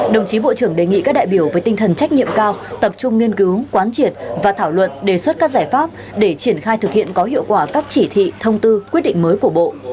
đồng chí bộ trưởng đề nghị các đại biểu với tinh thần trách nhiệm cao tập trung nghiên cứu quán triệt và thảo luận đề xuất các giải pháp để triển khai thực hiện có hiệu quả các chỉ thị thông tư quyết định mới của bộ